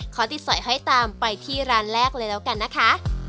ขอติดสอยห้อยตามไปที่ร้านแรกเลยแล้วกันนะคะ